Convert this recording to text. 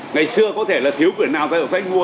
ngày xưa có thể là thiếu quyển nào ra trong sách mua